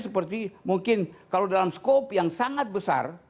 seperti mungkin kalau dalam skop yang sangat besar